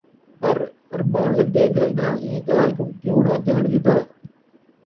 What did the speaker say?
پر اَرمان لڳدے جو اُنہاں اِیں ڳالھ کُوں کیوں نہ ڄاݨ گِھدّا ۔